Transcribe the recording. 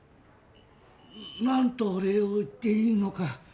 何とお礼を言っていいのか。